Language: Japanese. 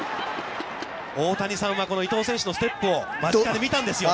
大谷さんは、この伊藤選手のステップを見たんですよね。